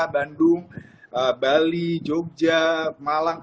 bandung bali jogja malang